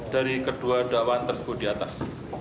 dari kedua dakwaan tersebut di atas